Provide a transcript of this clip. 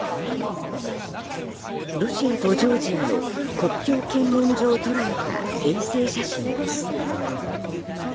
ロシアとジョージアの国境検問所を捉えた衛星写真です。